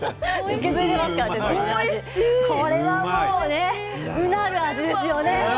これはもうなる味ですよね。